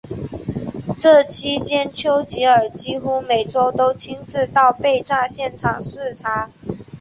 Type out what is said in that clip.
这期间丘吉尔几乎每周都亲自到被炸现场视察。